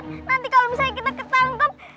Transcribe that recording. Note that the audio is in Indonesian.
nanti kalau misalnya kita ketahuan